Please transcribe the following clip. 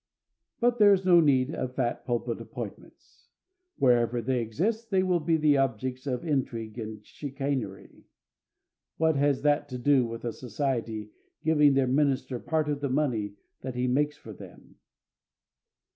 But there is no need of fat pulpit appointments. Wherever they exist they will be the objects of intrigue and chicanery. What has that to do with a society giving their minister part of the money that he makes for them?